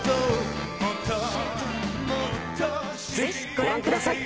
ぜひご覧ください。